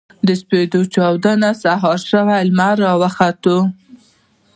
د سپـېدې وچـاودې سـهار شـو لمـر راوخـت.